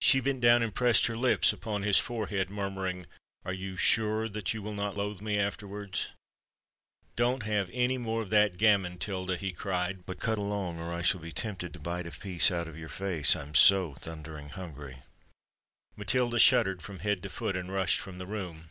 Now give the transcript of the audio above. She bent down, and pressed her lips upon his forehead, murmuring, "Are you sure that you will not loathe me afterwards?" "Don't have any more of that gammon, Tilda," he cried; "but cut along—or else I shall be tempted to bite a piece out of your face, I'm so thundering hungry." Matilda shuddered from head to foot, and rushed from the room.